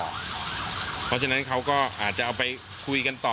เพราะฉะนั้นเขาก็อาจจะเอาไปคุยกันต่อ